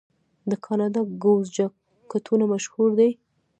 د کاناډا ګوز جاکټونه مشهور دي.